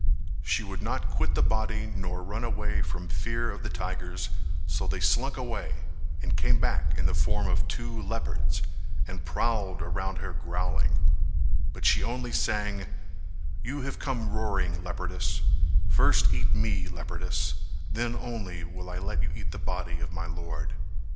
She would not quit the body nor run away from fear of the tigers, so they slunk away and came back in the form of two leopards, and prowled round her growling; but she only sang "You have come roaring, leopardess First eat me, leopardess Then only will I let you eat the body of my lord."